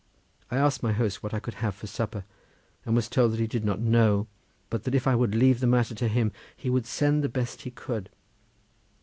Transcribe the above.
I asked my host what I could have for supper, and was told that he did not know, but that if I would leave the matter to him he would send the best he could.